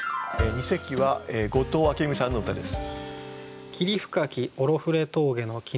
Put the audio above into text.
二席は後藤明美さんの歌です。